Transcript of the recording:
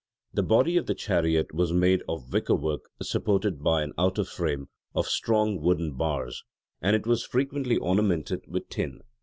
The body of the chariot was made of wickerwork supported by an outer frame of strong wooden bars: and it was frequently ornamented with tin.